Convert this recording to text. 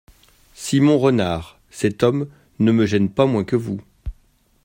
Simon Renard Cet homme ne me gêne pas moins que vous.